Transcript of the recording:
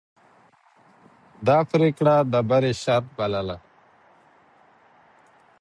ده پرېکړه د بری شرط بلله.